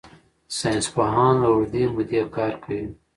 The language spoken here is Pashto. ساینسپوهان له اوږدې مودې کار کوي.